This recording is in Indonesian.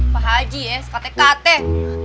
pak haji ya sekate katek